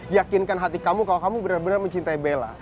yakinkan hati kamu kalo kamu bener bener mencintai bella